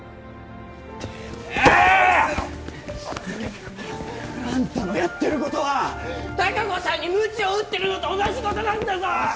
瀬能っあんたのやってることは隆子さんにムチを打ってるのと同じことなんだぞー！